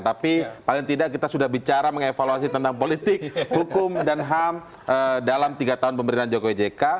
tapi paling tidak kita sudah bicara mengevaluasi tentang politik hukum dan ham dalam tiga tahun pemerintahan jokowi jk